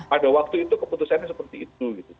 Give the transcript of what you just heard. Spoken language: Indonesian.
pada waktu itu keputusannya seperti itu